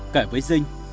kể với dinh